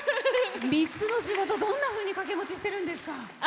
３つの仕事どんなふうに掛け持ちしてるんですか？